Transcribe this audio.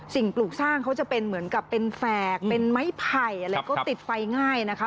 ปลูกสร้างเขาจะเป็นเหมือนกับเป็นแฝกเป็นไม้ไผ่อะไรก็ติดไฟง่ายนะคะ